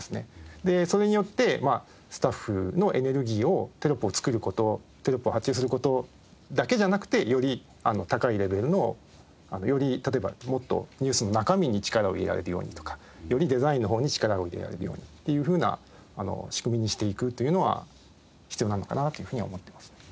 でそれによってスタッフのエネルギーをテロップを作る事テロップを発注する事だけじゃなくてより高いレベルの例えばもっとニュースの中身に力を入れられるようにとかよりデザインの方に力を入れられるようにっていうふうな仕組みにしていくというのは必要なのかなっていうふうには思ってます。